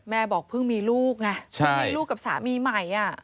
บอกเพิ่งมีลูกไงเพิ่งมีลูกกับสามีใหม่